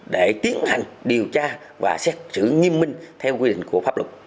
để tiến hành điều tra và xét xử nghiêm minh theo quy định của pháp luật